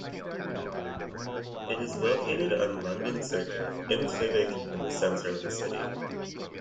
It is located on London Circuit, in Civic in the centre of the city.